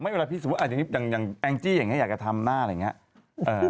เวลาพี่สมมุติอย่างแองจี้อย่างนี้อยากจะทำหน้าอะไรอย่างนี้